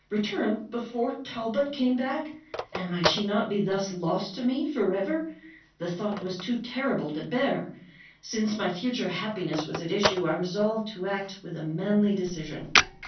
—return before Talbot came back—and might she not be thus lost to me forever? The thought was too terrible to bear. Since my future happiness was at issue, I resolved to act with a manly decision.